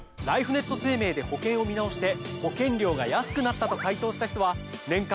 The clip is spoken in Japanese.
ライフネット生命で保険を見直して保険料が安くなったと回答した人は。